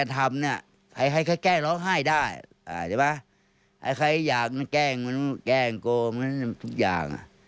ถึกอย่างน่ะ